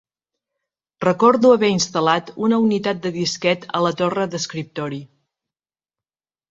Recordo haver instal·lat una unitat de disquet a la torre d'escriptori.